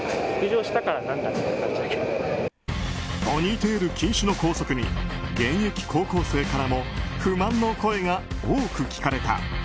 ポニーテール禁止の校則に現役高校生からも不満の声が多く聞かれた。